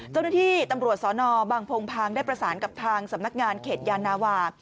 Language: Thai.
เจ้าหน้าที่ตำรวจสนบางพงพางได้ประสานกับทางสำนักงานเขตยานาวา